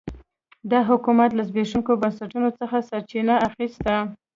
دا حکومت له زبېښونکو بنسټونو څخه سرچینه اخیسته.